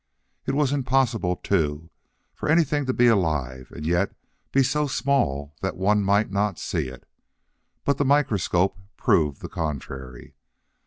It was impossible, too, for anything to be alive and yet be so small that one might not see it. But the microscope proved the contrary.